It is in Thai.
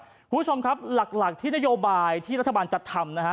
คุณผู้ชมครับหลักที่นโยบายที่รัฐบาลจะทำนะฮะ